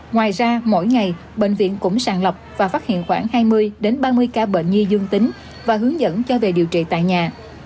ngoài ra mỗi ngày bệnh viện cũng sàng lọc và phát hiện khoảng hai mươi ba mươi ca bệnh nhi dương tính và hướng dẫn cho về điều trị tại nhà